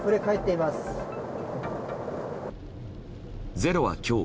「ｚｅｒｏ」は今日